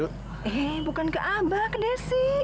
eh bukan ke abah ke desi